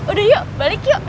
udah yuk balik yuk